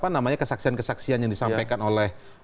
namanya kesaksian kesaksian yang disampaikan oleh